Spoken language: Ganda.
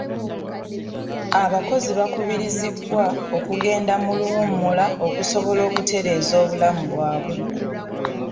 Abakozi bakubirizibwa okugenda mu luwummula okusobola okutereeza obulamu bwabwe.